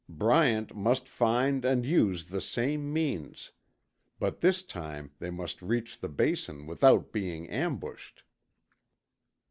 Bryant must find and use the same means, but this time they must reach the Basin without being ambushed.